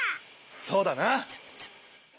そうだな！